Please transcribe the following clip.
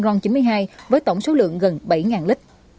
ron chín mươi hai với tổng số lượng gần bảy lít